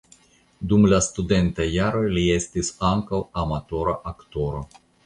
Dum la studentaj jaroj li estis ankaŭ amatora aktoro.